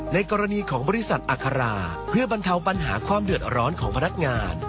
ในกรณีของบริษัทอัคราเพื่อบรรเทาปัญหาความเดือดร้อนของพนักงาน